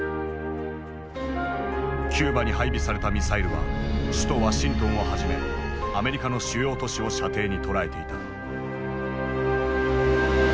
キューバに配備されたミサイルは首都ワシントンをはじめアメリカの主要都市を射程に捉えていた。